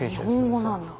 日本語なんだ。